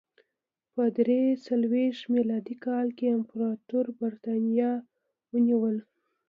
په درې څلوېښت میلادي کال کې امپراتور برېټانیا ونیوله